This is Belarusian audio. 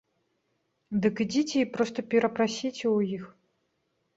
Дык ідзіце і проста перапрасіце ў іх.